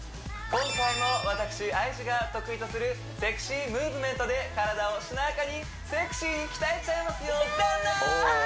今回も私ＩＧが得意とするセクシームーブメントで体をしなやかにセクシーに鍛えちゃいますよ旦那！